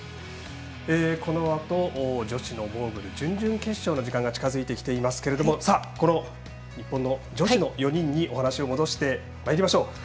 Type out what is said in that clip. このあと、女子のモーグル準々決勝の時間が近づいてきていますけどこの日本の女子の４人にお話を戻してまいりましょう。